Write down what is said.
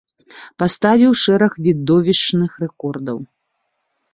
Паставіў шэраг відовішчных рэкордаў.